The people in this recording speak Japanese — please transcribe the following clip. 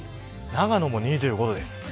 長野も２５度です。